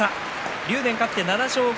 竜電勝って７勝。